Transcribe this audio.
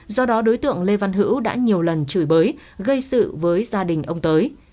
do đó đối tượng lê văn hữu đã nhiều lần chửi bới gây sự với gia đình ông tới